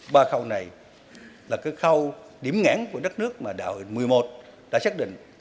ba khâu này là cái khâu điểm ngãn của đất nước mà đạo hội một mươi một đã xác định